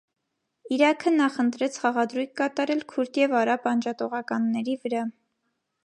Իրաքը նախընտրեց խաղադրույք կատարել քուրդ և արաբ անջատողականների վրա։